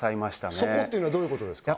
そこっていうのはどういうことですか？